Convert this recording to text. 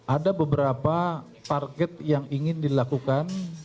ada beberapa target yang ingin dilakukan